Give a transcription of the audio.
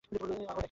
আবারও একই কথা?